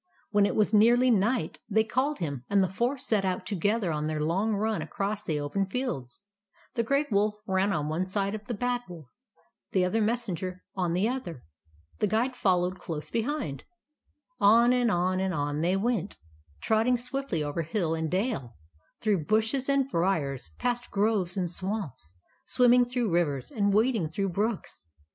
When it was nearly night, they called him ; and the four set out together on their long run across the open fields. The Grey Wolf ran on one side of the Bad Wolf, and the other Messenger on the other. The Guide followed close behind him. On and on and on they went, trotting swiftly over hill and dale, through bushes and briars, past groves and swamps, swim ming through rivers, and wading through brooks.